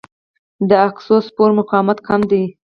د اګزوسپور مقاومت کم دی.